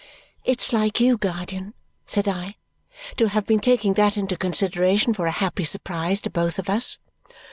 "It's like you, guardian," said I, "to have been taking that into consideration for a happy surprise to both of us."